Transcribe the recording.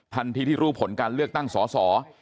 ทันทีที่รู้ผลการเลือกตั้งสอสอ